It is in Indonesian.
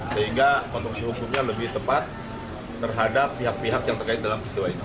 sehingga konstruksi hukumnya lebih tepat terhadap pihak pihak yang terkait dalam peristiwa ini